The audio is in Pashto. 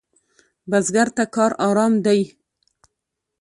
بزګر ته کار آرام دی